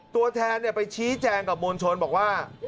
ตัวแทนไปชี้แจงกับมวลชนบอกว่า